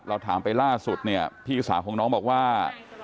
เราถามไปล่าสุดเนี่ยพี่สาวของน้องบอกว่า